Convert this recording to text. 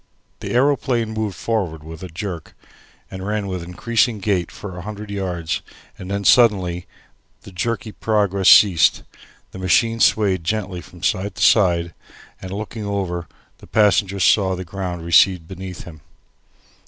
The aeroplane moved forward with a jerk, ran with increasing gait for a hundred yards, and then suddenly the jerky progress ceased. The machine swayed gently from side to side, and looking over, the passenger saw the ground recede beneath him.